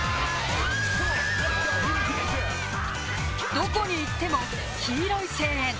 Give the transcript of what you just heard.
どこに行っても黄色い声援。